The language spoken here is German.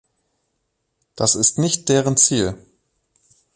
Das ist nicht deren Ziel.